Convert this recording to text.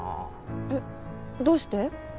えっどうして？